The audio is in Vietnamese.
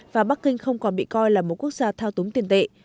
và bắc kinh không còn bị coi là một quốc gia thao túng tiền tệ